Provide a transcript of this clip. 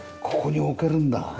ここに置けるんだ。